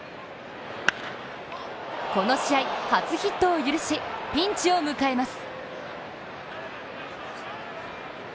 この試合、初ヒットを許しピンチを迎えます。